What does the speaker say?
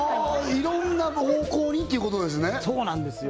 いろんな方向にっていうことですねそうなんですよ